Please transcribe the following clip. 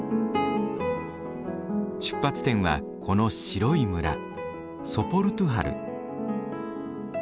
出発点はこの白い村ソポルトゥハル。